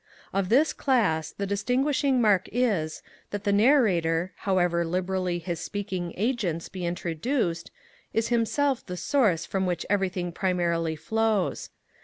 Of this Class, the distinguishing mark is, that the Narrator, however liberally his speaking agents be introduced, is himself the source from which everything primarily flows.